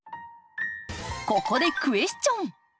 ここでクエスチョン！